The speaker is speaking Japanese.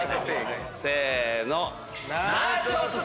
せーの。